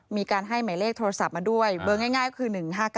มีการให้หมายเลขโทรศัพท์มาด้วยเบอร์ง่ายก็คือ๑๕๙